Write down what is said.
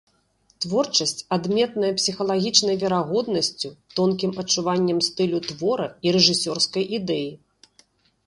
Творчасць адметная псіхалагічнай верагоднасцю, тонкім адчуваннем стылю твора і рэжысёрскай ідэі.